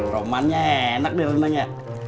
romannya enak deh rendangnya